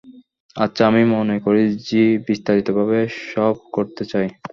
আচ্ছা, আমি মনে করি যী বিস্তারিতভাবে সব করতে চায়।